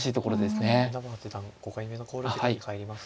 稲葉八段５回目の考慮時間に入りました。